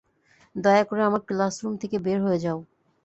দয়া করে আমার ক্লাসরুম থেকে বের হয়ে যাও।